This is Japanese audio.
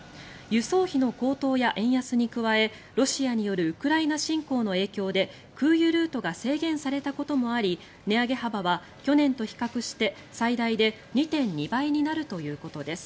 輸送費の高騰や円安に加えロシアによるウクライナ侵攻の影響で空輸ルートが制限されたこともあり値上げ幅は去年と比較して最大で２．２倍になるということです。